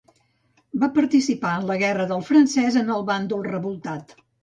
Va participar en la guerra del francès en el bàndol revoltat.